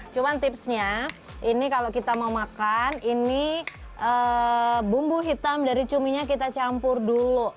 cuma tipsnya ini kalau kita mau makan ini bumbu hitam dari cuminya kita campur dulu